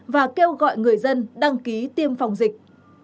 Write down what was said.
và kêu gọi người dân đăng ký tiêm phòng dịch